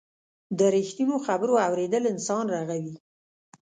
د رښتینو خبرو اورېدل انسان رغوي.